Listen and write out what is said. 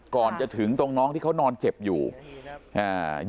ก่อนจะถึงตรงน้องที่เขานอนเจ็บอยู่อ่า